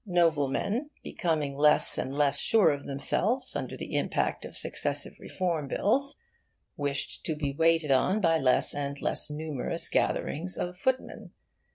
Noblemen, becoming less and less sure of themselves under the impact of successive Reform Bills, wished to be waited on by less and less numerous gatherings of footmen.